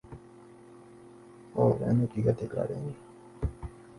She later moved to Dallas with her mother and her sister Lucille.